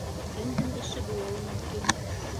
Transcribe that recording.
Кемдең эше булыуы мөмкин?